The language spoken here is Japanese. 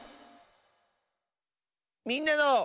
「みんなの」。